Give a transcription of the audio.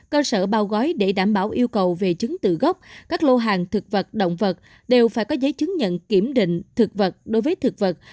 cơ sở bao gói để đảm bảo yêu cầu về chứng tự gốc các lô hàng thực vật động vật đều phải có giấy chứng nhận kiểm định thực vật đối với thực vật